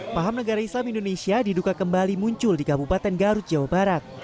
paham negara islam indonesia diduka kembali muncul di kabupaten garut jawa barat